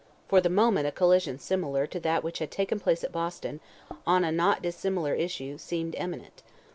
For the moment a collision similar to that which had taken place at Boston, on a not dissimilar issue, seemed imminent.